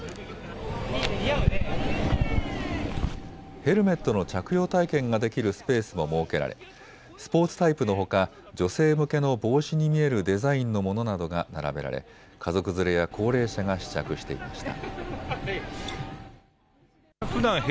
ヘルメットの着用体験ができるスペースも設けられスポーツタイプのほか女性向けの帽子に見えるデザインのものなどが並べられ家族連れや高齢者が試着していました。